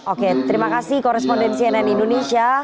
oke terima kasih koresponden cnn indonesia